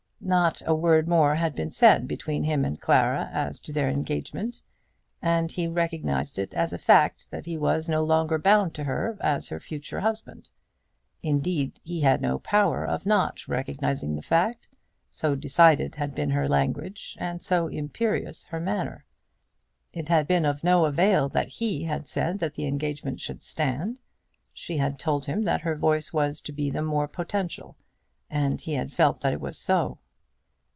Not a word more had been said between him and Clara as to their engagement, and he recognised it as a fact that he was no longer bound to her as her future husband. Indeed, he had no power of not recognising the fact, so decided had been her language, and so imperious her manner. It had been of no avail that he had said that the engagement should stand. She had told him that her voice was to be the more potential, and he had felt that it was so.